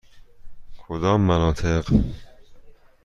کدام مناطق؟